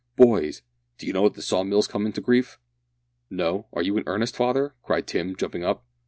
Boys, d'ee know that the saw mill's come to grief?" "No, are you in earnest, father?" cried Tim, jumping up.